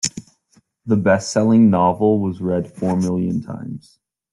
The bestselling novel was read four million times.